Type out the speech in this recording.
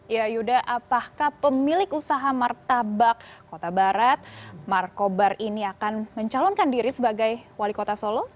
ya yuda apakah pemilik usaha martabak kota barat markobar ini akan mencalonkan diri sebagai wali kota solo